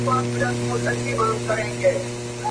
هغه وویل چې پوهنه د هېواد د پرمختګ یوازینۍ لاره ده.